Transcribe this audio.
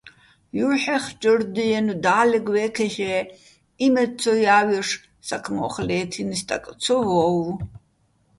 ჲუჰ̦ეხჯორ დიეჼო̆, და́ლეგ ვე́ქეშ-ე იმედ ცო ჲა́ვჲოშ სა́ქმოხ ლეთინი̆ სტაკ ცო ვოუ̆ვო̆.